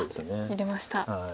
入れました。